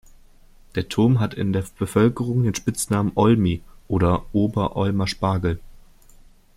Der Turm hat in der Bevölkerung den Spitznamen „Olmi“ oder „Ober-Olmer Spargel“.